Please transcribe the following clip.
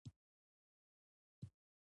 پنسل د طراحانو لپاره یو مهم وسیله ده.